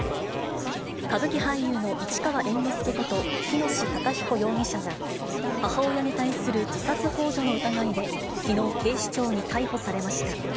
歌舞伎俳優の市川猿之助こと、喜熨斗孝彦容疑者が、母親に対する自殺ほう助の疑いできのう警視庁に逮捕されました。